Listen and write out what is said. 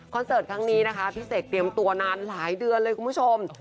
เสิร์ตครั้งนี้นะคะพี่เสกเตรียมตัวนานหลายเดือนเลยคุณผู้ชม